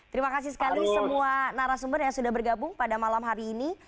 terima kasih sekali semua narasumber yang sudah bergabung pada malam hari ini